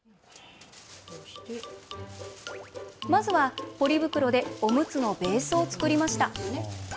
まずはポリ袋でおむつのベースを作りました。